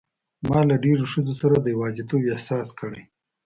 ما له ډېرو ښځو سره د یوازیتوب احساس کړی.